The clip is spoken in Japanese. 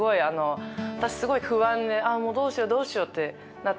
私すごい不安でどうしよう？ってなって。